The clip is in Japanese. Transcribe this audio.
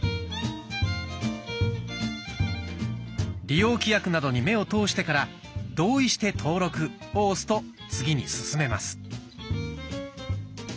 利用規約などに目を通してから「同意して登録」を押すと次に進めます。